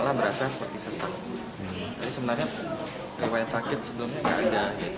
tapi sebenarnya riwayat sakit sebelumnya nggak ada